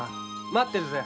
待ってるぜ。